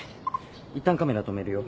いったんカメラ止めるよ。